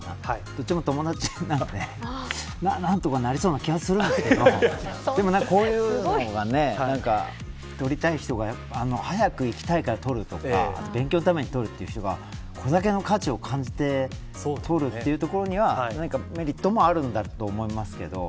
どっちも友達なので何とかなりそうな気がするんだけどでも、こういうのが取りたい人が早く行きたいから取るとかあと勉強のために取るという人はこれだけの価値を感じて取るというところには何かメリットもあるんだと思いますけど。